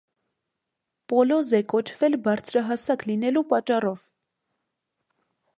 «Պոլոզ» է կոչվել բարձրահասակ լինելու պատճառով։